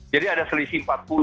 jadi ada selisih rp empat puluh